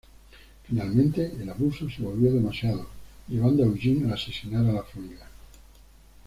Finalmente el abuso se volvió demasiado, llevando a Eugene a asesinar a la familia.